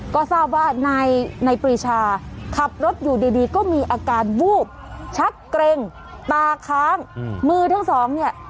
ก็ทราบว่านายปรีชาขับรถอยู่ดีก็มีอาการวูบชักเกร็งตาค้างมือทั้งสองเนี่ย